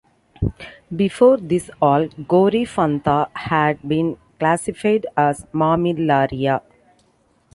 Before this all "Coryphantha" had been classified as "Mammillaria".